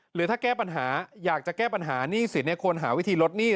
หรือถ้าแก้ปัญหาอยากจะแก้ปัญหาหนี้สินควรหาวิธีลดหนี้